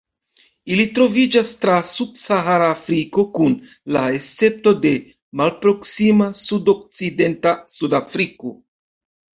Ili troviĝas tra subsahara Afriko, kun la escepto de malproksima sudokcidenta Sudafriko.